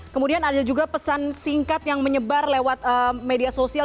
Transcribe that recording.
kemudian ada juga pesan singkat yang menyebar lewat media sosial